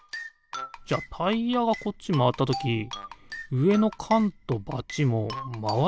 じゃタイヤがこっちまわったときうえのかんとバチもまわっちゃいそうだよね。